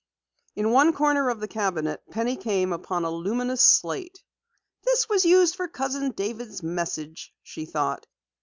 In one corner of the cabinet Penny came upon a luminous slate. "This was used for Cousin David's message," she thought.